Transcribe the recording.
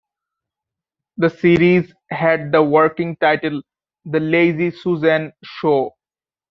The series had the working title "The Lazy Susan Show".